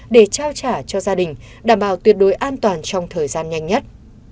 để trao trả cho gia đình đảm bảo tuyệt đối an toàn trong thời gian nhanh nhất